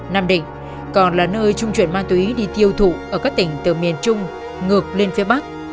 nam định còn là nơi trung chuyển ma túy đi tiêu thụ ở các tỉnh từ miền trung ngược lên phía bắc